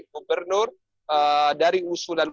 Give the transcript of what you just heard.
gubernur dari usulan